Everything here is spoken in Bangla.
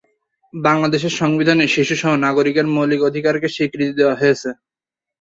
বাংলাদেশের সংবিধানে শিশু সহ নাগরিকের মৌলিক অধিকার কে স্বীকৃতি দেওয়া হয়েছে।